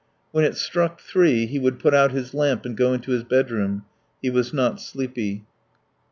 .." When it struck three he would put out his lamp and go into his bedroom; he was not sleepy.